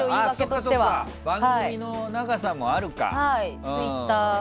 そっか、番組の長さもあるか。